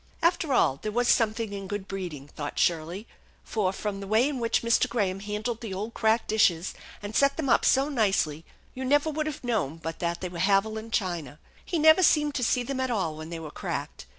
After all, there was something in good breeding, thought Shirley, for from the way in which Mr. Graham handled the old cracked dishes, and set them up so nicely, you never would have known but they were Haviland china. He never seemed to see them at all when they were cracked.